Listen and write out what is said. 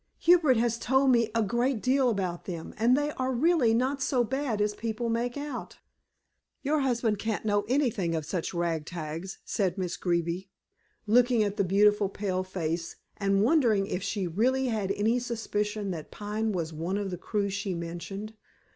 "Hubert has told me a great deal about them, and they are really not so bad as people make out." "Your husband can't know anything of such ragtags," said Miss Greeby, looking at the beautiful, pale face, and wondering if she really had any suspicion that Pine was one of the crew she mentioned.